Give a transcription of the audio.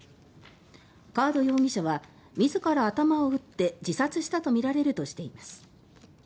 カード容疑者は自ら頭を撃って自殺したとみられるとしています。